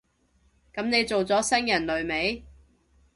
噉你做咗新人類未？